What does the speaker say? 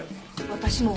私も。